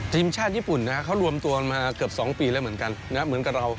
ทีมชาติญี่ปุ่นนะเขารวมตัวมาเกือบ๒ปีแล้วเหมือนกันเหมือนกับเรา